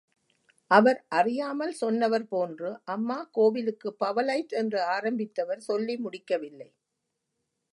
அவர் அறியாமல் சொன்னவர் போன்று அம்மா கோவிலுக்கு பவர்லைட் என்று ஆரம்பித்தவர், சொல்லி முடிக்கவில்லை.